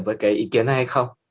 với cái ý kiến này hay không